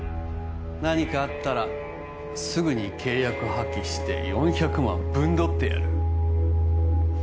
何かあったらすぐに契約破棄して４００万ぶんどってやる